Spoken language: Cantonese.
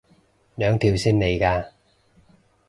兩條線嚟嘅